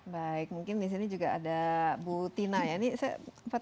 baik mungkin disini juga ada bu tina ya